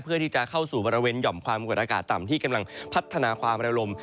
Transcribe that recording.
เพื่อที่จะเข้าสู่บริเวณหย่อมความกดอากาศต่ำที่กำลังพัฒนาความระลม